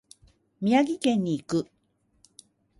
宮城県に行く。